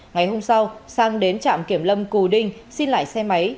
ngày hôm sau sang đến trạm kiểm lâm cù đinh xin lại xe máy